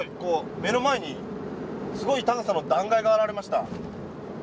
目の前にすごい高さの断崖が現れました。